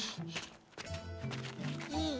いい？